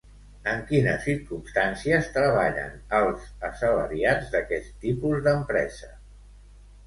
En quines circumstàncies treballen els assalariats d'aquest tipus d'empresa?